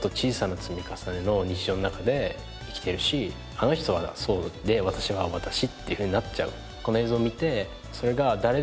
あの人はそうで私は私っていうふうになっちゃう。